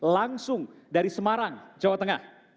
langsung dari semarang jawa tengah